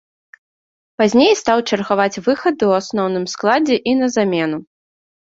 Пазней стаў чаргаваць выхады ў асноўным складзе і на замену.